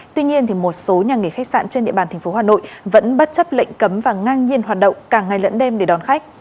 tuy nhiên một số nhà nghỉ khách sạn trên địa bàn tp hà nội vẫn bất chấp lệnh cấm và ngang nhiên hoạt động cả ngày lẫn đêm để đón khách